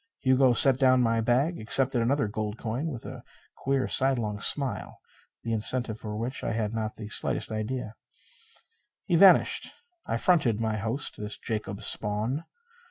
Hugo set down my bag, accepted another gold coin; and with a queer sidelong smile, the incentive for which I had not the slightest idea, he vanished. I fronted my host, this Jacob Spawn.